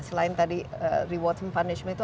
selain tadi reward and punishment itu